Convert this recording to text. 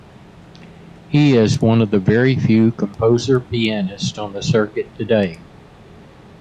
He is one of the very few composer-pianists on the circuit today.